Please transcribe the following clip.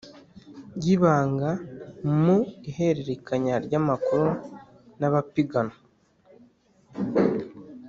y ibanga Mu ihererekanya ry amakuru n abapiganwa